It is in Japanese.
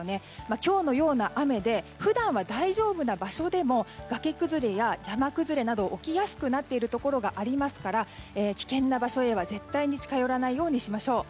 今日のような雨で普段は大丈夫な場所でも崖崩れや山崩れなどが起きやすくなっているところがありますから危険な場所へは、絶対に近寄らないようにしましょう。